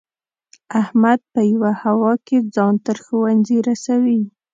احمد په یوه هوا کې ځان تر ښوونځي رسوي.